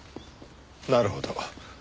なるほど。